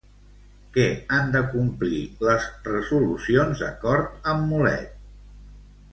Què han de complir, les resolucions, d'acord amb Mulet?